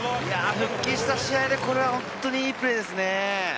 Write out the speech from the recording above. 復帰した試合でこれは本当にいいプレーですね！